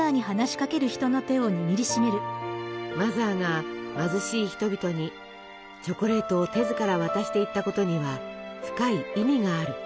マザーが貧しい人々にチョコレートを手ずから渡していったことには深い意味がある。